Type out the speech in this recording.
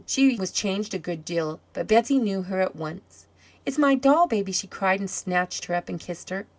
She was changed a good deal, but Betsey knew her at once. "It's my doll baby!" she cried, and snatched her up and kissed her.